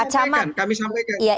pak camat kami sampaikan